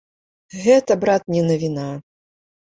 Гэта, брат, не навіна!